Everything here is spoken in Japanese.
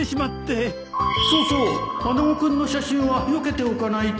そうそう穴子君の写真はよけておかないと